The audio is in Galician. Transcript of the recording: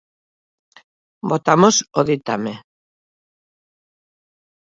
Votamos o ditame.